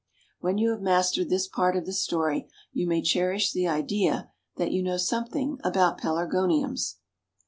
When you have mastered this part of the story, you may cherish the idea that you know something about Pelargoniums.